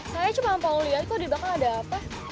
saya cuma mau liat kok dibakang ada apa